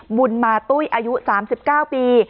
บุญมาตุ้ยอายุ๓๙ปี